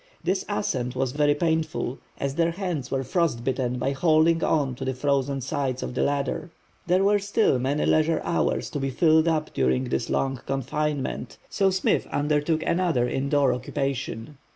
This ascent was very painful, as their hands were frostbitten by holding on to the frozen sides of the ladder. There were still many leisure hours to be filled up during this long confinement, so Smith undertook another indoor occupation.